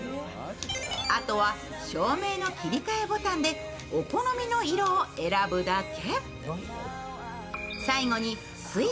あとは照明の切り替えボタンでお好みの色を選ぶだけ。